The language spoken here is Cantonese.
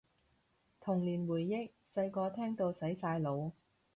童年回憶，細個聽到洗晒腦